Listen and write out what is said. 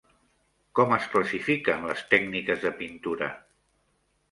Com es classifiquen les tècniques de pintura?